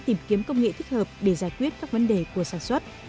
tìm kiếm công nghệ thích hợp để giải quyết các vấn đề của sản xuất